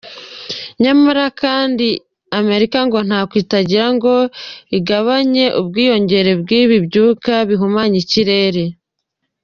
Nyamara kandi Amerika ngo ntako itagira ngo igabanye ubwiyongere Bw’ibi byuka bihumanya ikirere.